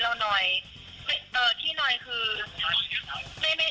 เรานอยที่นอยคือ